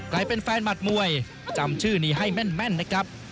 กลายเป็นแฟนหมัดมวยจำชื่อนี้ให้แม่นนะครับ